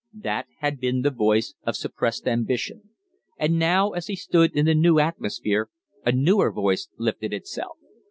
That had been the voice of suppressed ambition; and now as he stood in the new atmosphere a newer voice lifted itself.